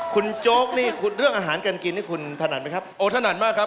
คุณโจ๊กนี่เรื่องอาหารกันกินนี่คุณถนัดไหมครับ